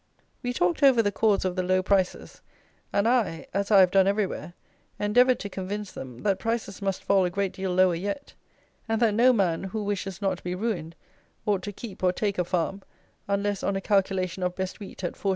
We talked over the cause of the low prices, and I, as I have done everywhere, endeavoured to convince them, that prices must fall a great deal lower yet; and that no man, who wishes not to be ruined, ought to keep or take a farm, unless on a calculation of best wheat at 4_s.